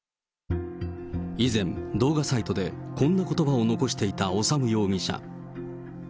以前、動画サイトでこんなことばを残していた修容疑者。